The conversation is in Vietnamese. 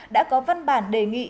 đã có văn bản đề nghị